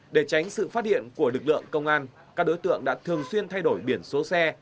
để tránh sự phát hiện của lực lượng công an các đối tượng đã thường xuyên thay đổi biển số xe